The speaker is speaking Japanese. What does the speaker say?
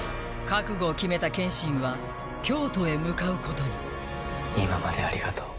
覚悟を決めた剣心は京都へ向かうことに今までありがとう。